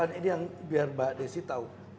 ini yang biar mbak desi tahu